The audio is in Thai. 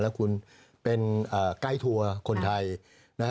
แล้วคุณเป็นใกล้ทัวร์คนไทย